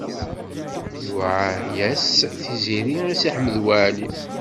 Tluɛa-yas Tiziri i Si Ḥmed Waɛli.